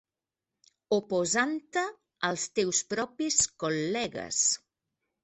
Oposant-te als teus propis col·legues.